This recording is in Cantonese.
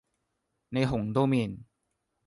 你紅都面